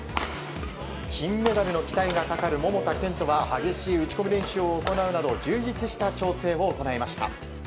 金メダルの期待がかかる桃田賢斗は激しい打ち込み練習を行うなど充実した調整を行いました。